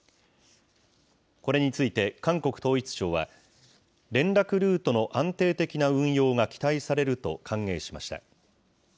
これについて韓国統一省は、連絡ルートの安定的な運用が期待されると歓迎しました。